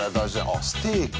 あステーキ。